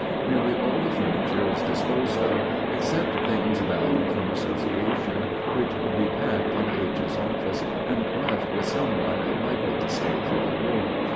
Nearly all the furniture is disposed of, except things valued from association, which will be packed in H.'s office and left with some one likely to stay through the war.